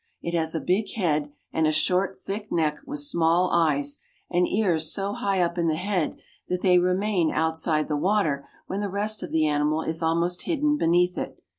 It has a big head and a short, thick neck, with small eyes, and ears so high up in the head that they remain outside the water when the rest of the animal is almost hidden beneath it.